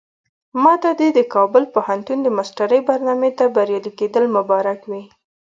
ماته دې د کابل پوهنتون د ماسترۍ برنامې ته بریالي کېدل مبارک وي.